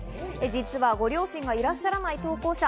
実はご両親がいらっしゃらない投稿者。